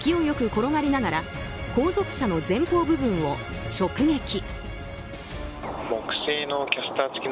よく転がりながら後続車の前方部分を直撃。